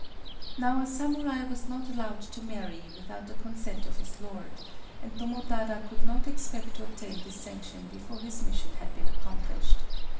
_] ...Now a samurai was not allowed to marry without the consent of his lord; and Tomotada could not expect to obtain this sanction before his mission had been accomplished.